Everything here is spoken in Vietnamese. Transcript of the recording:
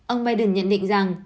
ông biden nhận định rằng